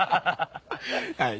はい。